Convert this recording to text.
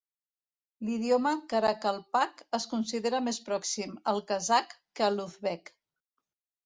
L'idioma Karakalpak es considera més pròxim al kazakh que a l'uzbek.